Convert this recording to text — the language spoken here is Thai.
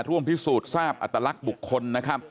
ท่วมพิสูจน์ทราบอัตลักษณ์บุคคล